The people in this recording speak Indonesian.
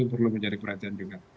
perlu menjadi perhatian juga